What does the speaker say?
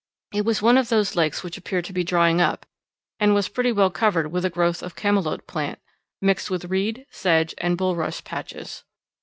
It was one of those lakes which appear to be drying up, and was pretty well covered with a growth of camalote plant, mixed with reed, sedge, and bulrush patches.